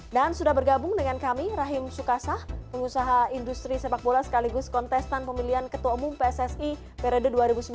dan sudah bergabung dengan kami rahim sukasah pengusaha industri sepak bola sekaligus kontestan pemilihan ketua umum pssi periode dua ribu sembilan belas dua ribu dua puluh tiga